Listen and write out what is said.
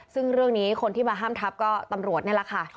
ซึ่งเรื่องนี้คนที่มาห้ามทับก็ตำรวจนี่แหละค่ะ